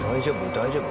大丈夫？